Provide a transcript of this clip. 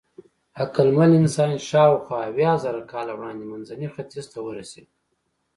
عقلمن انسان شاوخوا اویازره کاله وړاندې منځني ختیځ ته ورسېد.